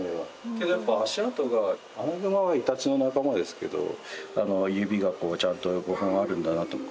けどやっぱ足跡がアナグマはイタチの仲間ですけど指がちゃんと５本あるんだなとか。